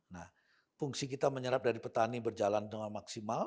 nah fungsi kita menyerap dari petani berjalan dengan maksimal